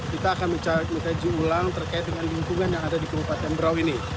kita akan mengkaji ulang terkait dengan lingkungan yang ada di kabupaten berau ini